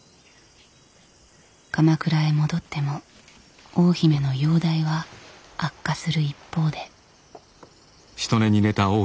鎌倉へ戻っても大姫の容体は悪化する一方で。